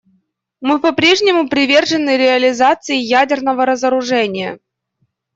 Мы по-прежнему привержены реализации ядерного разоружения.